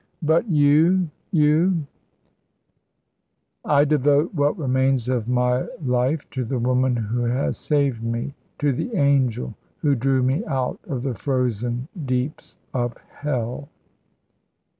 "But you you " "I devote what remains of my life to the woman who has saved me to the angel who drew me out of the frozen deeps of hell."